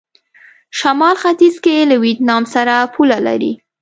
شمال ختيځ کې له ویتنام سره پوله لري.